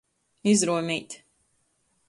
Izruomēt.